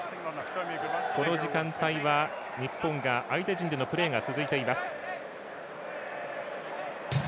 この時間帯は日本が相手陣でのプレーが続いています。